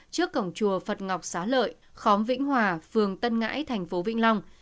trước cổng chùa phật ngọc xá lợi khóm vĩnh hòa phường tân ngãi thành phố vĩnh long